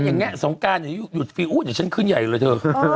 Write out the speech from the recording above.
แน่สงการอย่าหยุดฟรีอู้วเดี๋ยวฉันขึ้นใหญ่เลยเธอ